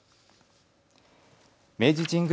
明治神宮